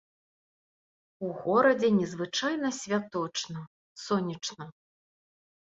У горадзе незвычайна святочна, сонечна.